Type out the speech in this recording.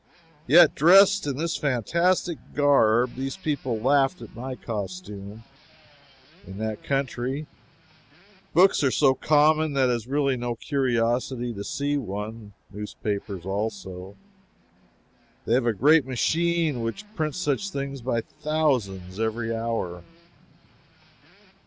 Yet dressed in this fantastic garb, these people laughed at my costume. In that country, books are so common that it is really no curiosity to see one. Newspapers also. They have a great machine which prints such things by thousands every hour.